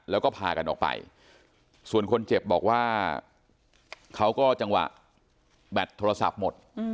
แล้วก็พากันออกไปส่วนคนเจ็บบอกว่าเขาก็จังหวะแบตโทรศัพท์หมด